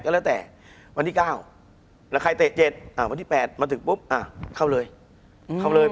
คุณผู้ชมบางท่าอาจจะไม่เข้าใจที่พิเตียร์สาร